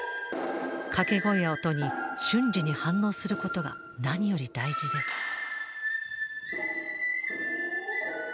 掛け声や音に瞬時に反応することが何より大事です。